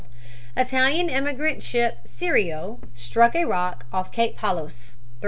Italian emigrant ship Sirio struck a rock off Cape Palos; 350 lives lost.